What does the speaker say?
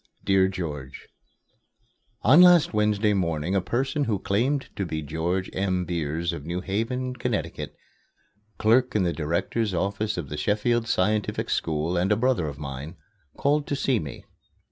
DEAR GEORGE: On last Wednesday morning a person who claimed to be George M. Beers of New Haven, Ct., clerk in the Director's Office of the Sheffield Scientific School and a brother of mine, called to see me.